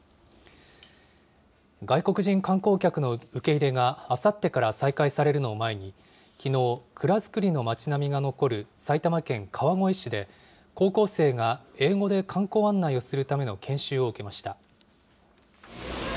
外国人観光客の受け入れが、あさってから再開されるのを前に、きのう、蔵造りの町並みが残る埼玉県川越市で、高校生が英語で観光案内をするための研修を受けました。